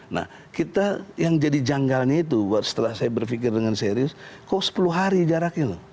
nah kita yang jadi janggalnya itu setelah saya berpikir dengan serius kok sepuluh hari jaraknya loh